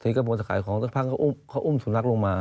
ตอนนี้ก็บวนสาขายของตอนนี้พ่อเขาอุ้มเขาอุ้มสุนัขลงมา